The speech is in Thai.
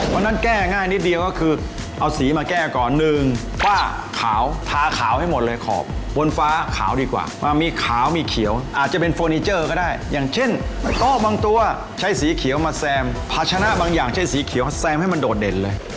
งั้นแก้ง่ายนิดเดียวก็คือเอาสีมาแก้ก่อนหนึ่งผ้าขาวทาขาวให้หมดเลยขอบบนฟ้าขาวดีกว่ามีขาวมีเขียวอาจจะเป็นเฟอร์นิเจอร์ก็ได้อย่างเช่นโต๊ะบางตัวใช้สีเขียวมาแซมภาชนะบางอย่างเช่นสีเขียวแซมให้มันโดดเด่นเลย